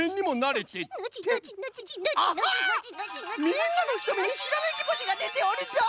みんなのひとみにひらめきぼしがでておるぞ！